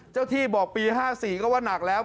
ที่บอกปี๕๔ก็ว่านักแล้ว